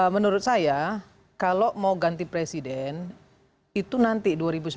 menurut saya kalau mau ganti presiden itu nanti dua ribu sembilan belas